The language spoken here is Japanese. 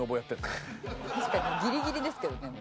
確かにギリギリですけどね。